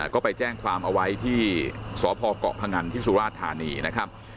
ก็ไปแจ้งความเอาไว้ที่สพเกาะพงันที่สุราชธานีนะครับ